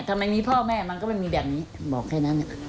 ทำไมมีพ่อแม่มันก็ไม่มีแบบนี้บอกแค่นั้น